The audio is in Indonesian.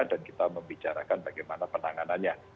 dan kita membicarakan bagaimana penanganannya